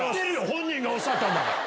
本人がおっしゃったんだから。